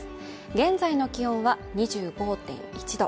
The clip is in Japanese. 現在の気温は２５．１℃